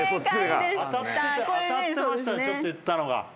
ちょっと言ったのが。